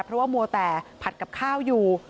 เพราะว่ามัวแต่ผัดกับข้าวอยู่